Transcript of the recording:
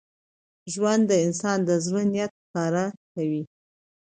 ژوند د انسان د زړه نیت ښکاره کوي.